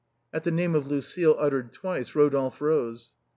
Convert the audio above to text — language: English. At the name of Lucile uttered twice, Rodolphe rose.